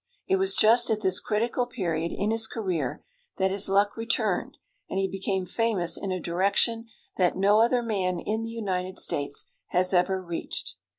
It was just at this critical period in his career that his luck returned, and he became famous in a direction that no other man in the United States has ever reached.